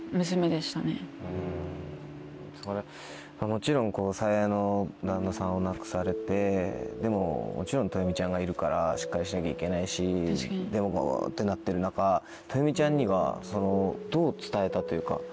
もちろん最愛の旦那さんを亡くされてでももちろんｔｏｙｏｍｉちゃんがいるからしっかりしなきゃいけないしでもボってなってる中ｔｏｙｏｍｉちゃんにはどう伝えたというか。